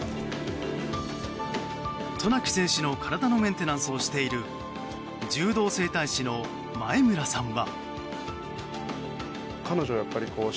渡名喜選手の体のメンテナンスをしている柔道整体師の前村さんは。